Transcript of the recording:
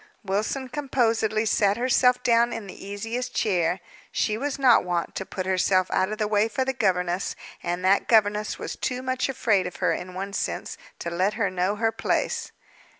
Wilson composedly sat herself down in the easiest chair. She was not wont to put herself out of the way for the governess; and that governess was too much afraid of her, in one sense, to let her know her place.